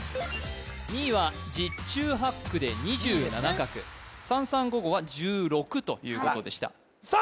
２位は十中八九で２７画三三五五は１６ということでしたさあ